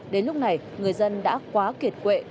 đến lúc này người dân đã quá kiệt quệ